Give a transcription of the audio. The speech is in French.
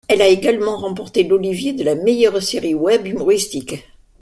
Elle a également remporté l’Olivier de la meilleure série web humoristique.